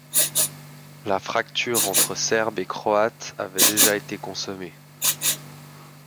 La fracture entre Serbes et Croates avait déjà été consommée.